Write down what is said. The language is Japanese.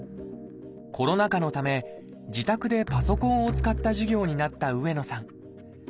コロナ禍のため自宅でパソコンを使った授業になった上野さん。